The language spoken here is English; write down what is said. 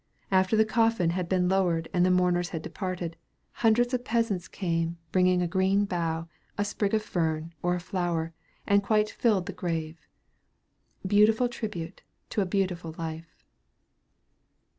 After the coffin had been lowered and the mourners had departed, hundreds of peasants came, bringing a green bough, a sprig of fern, or a flower, and quite filled the grave. Beautiful tribute to a beautiful life!